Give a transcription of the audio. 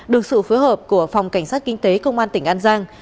được sự phối hợp của phòng cảnh sát kinh tế công an tỉnh an giang